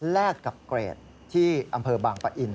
แลกกับเกรดที่อำเภอบางปะอิน